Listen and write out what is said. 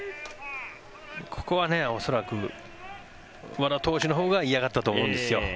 ここは恐らく和田投手のほうが嫌がったと思うんですよ。